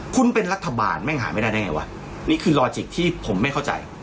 คุณเป็นรัฐบาลแม่งหาไม่ได้ได้ไงวะนี่คือรอจิกที่ผมไม่เข้าใจ